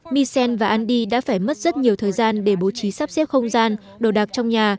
misen và andy đã phải mất rất nhiều thời gian để bố trí sắp xếp không gian đồ đạc trong nhà